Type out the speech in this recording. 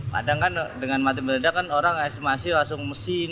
padahal kan dengan mati mendadak kan orang estimasi langsung mesin